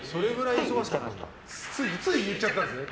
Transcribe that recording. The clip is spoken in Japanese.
つい言っちゃったんですね。